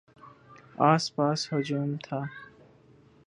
آس پاس ہجوم تھا۔